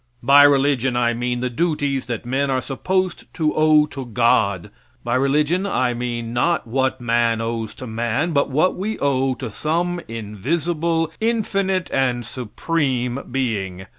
By religion I mean the duties that men are supposed to owe to God; by religion I mean, not what man owes to man, but what we owe to some invisible, infinite and supreme being.